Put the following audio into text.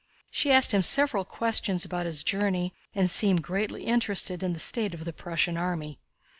She asked him several questions about his journey and seemed greatly interested in the state of the Prussian army.